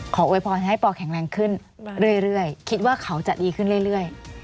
โวยพรให้ปอแข็งแรงขึ้นเรื่อยคิดว่าเขาจะดีขึ้นเรื่อย